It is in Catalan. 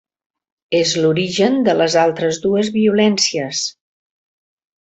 És l'origen de les altres dues violències.